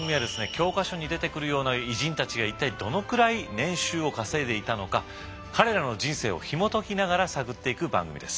教科書に出てくるような偉人たちが一体どのくらい年収を稼いでいたのか彼らの人生をひもときながら探っていく番組です。